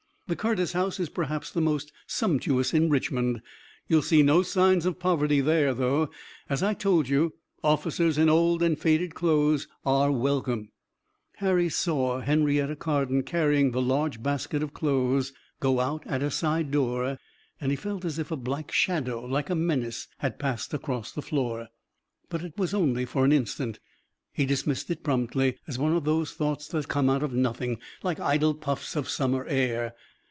The Curtis house is perhaps the most sumptuous in Richmond. You'll see no signs of poverty there, though, as I told you, officers in old and faded clothes are welcome." Harry saw Henrietta Carden carrying the large basket of clothes, go out at a side door, and he felt as if a black shadow like a menace had passed across the floor. But it was only for an instant. He dismissed it promptly, as one of those thoughts that come out of nothing, like idle puffs of summer air.